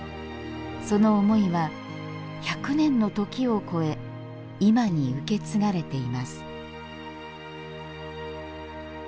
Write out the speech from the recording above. その思いは、１００年の時を超え今に受け継がれています。